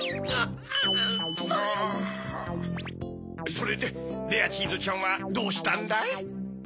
それでレアチーズちゃんはどうしたんだい？